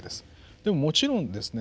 でももちろんですね